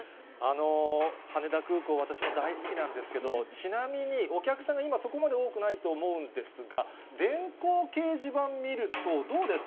羽田空港、私も大好きなんですけど、ちなみに、お客さんが今、そこまで多くないと思うんですが、電光掲示板見ると、どうです？